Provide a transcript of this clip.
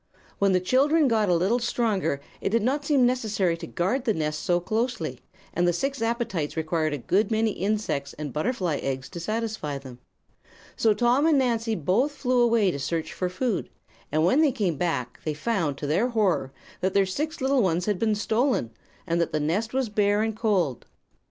"When the children got a little stronger it did not seem necessary to guard the nest so closely, and the six appetites required a good many insects and butterfly eggs to satisfy them. So Tom and Nancy both flew away to search for food, and when they came back they found, to their horror, that their six little ones had been stolen, and the nest was bare and cold.